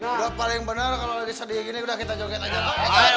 sudah paling benar kalau sedih begini sudah kita joget saja